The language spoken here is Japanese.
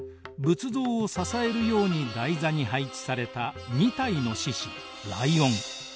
仏像を支えるように台座に配置された２体の獅子ライオン。